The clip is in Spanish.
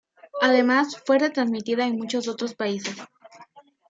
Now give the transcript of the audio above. Además fue retransmitida en muchos otros países.